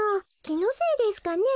きのせいですかね？